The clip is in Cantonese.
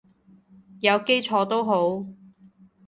有基礎都好